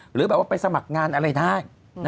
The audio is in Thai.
หรือแบบว่าไปสมัครงานอะไรได้